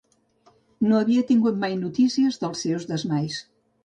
No havia tingut mai notícies dels seus desmais.